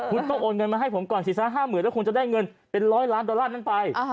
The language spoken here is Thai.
คุณต้องโอนเงินมาให้ผมก่อนศีรษะห้าหมื่นแล้วคุณจะได้เงินเป็นร้อยล้านดอลลาร์นั้นไป